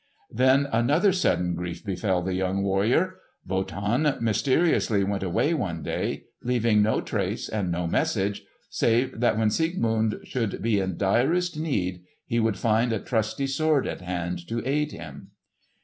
Then another sudden grief befell the young warrior. Wotan mysteriously went away one day, leaving no trace and no message save that when Siegmund should be in direst need he would find a trusty sword at hand to aid him.